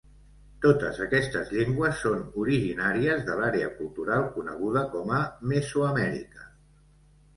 Totes aquestes llengües són originàries de l'àrea cultural coneguda com a Mesoamèrica.